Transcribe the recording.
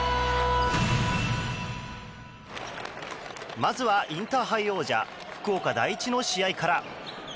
まずはインターハイ王者福岡第一の試合から。